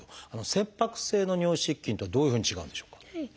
切迫性の尿失禁とはどういうふうに違うんでしょうか？